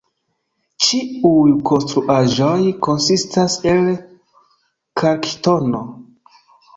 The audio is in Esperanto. Ĉiuj konstruaĵoj konsistas el kalkŝtono.